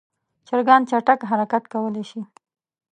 چرګان چټک حرکت کولی شي.